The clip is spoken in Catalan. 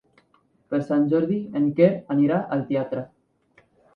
Per Sant Jordi en Quer anirà al teatre.